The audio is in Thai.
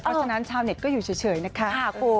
เพราะฉะนั้นชาวเน็ตก็อยู่เฉยนะคะคุณ